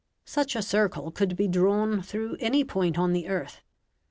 Such a circle could be drawn through any point on the earth.